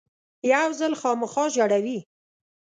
یو ځل خامخا ژړوي .